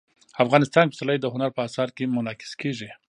افغانستان کې پسرلی د هنر په اثار کې منعکس کېږي.